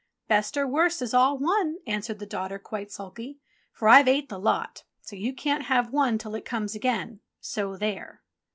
"Best or worst is all one," answered the daughter quite sulky, "for I've ate the lot, so you can't have one till it comes again — so there